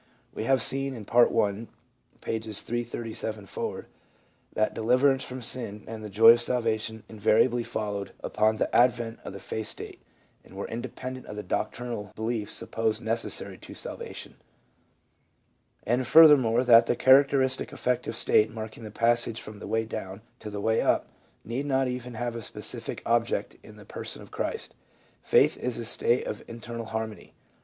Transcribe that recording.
We have seen in Part I, pp. 337 ft, that deliverance from sin and the joy of salvation invariably followed upon the advent of the faith state and were independent of the doctrinal beliefs supposed necessary to salvation ; and furthermore that the characteristic affective state marking the passage from the "way down" to the "way up" need not even have a specific object in the person of Christ. Faith is a state of internal harmony.